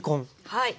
はい。